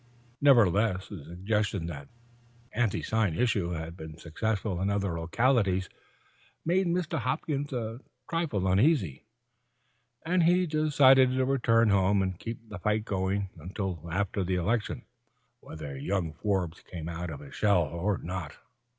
Nevertheless, the suggestion that the anti sign issue had been successful in other localities made Mr. Hopkins a trifle uneasy, and he decided to return home and keep the fight going until after election, whether young Forbes came out of his shell or not.